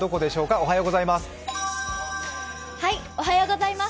おはようございます。